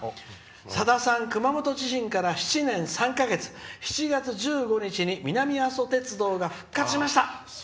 「さださん、熊本地震から７年３か月７月１５日に南阿蘇鉄道が復活しました」。